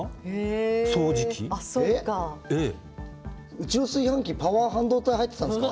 うちの炊飯器パワー半導体入ってたんですか？